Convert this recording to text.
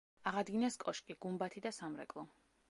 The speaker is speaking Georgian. აღადგინეს კოშკი, გუმბათი და სამრეკლო.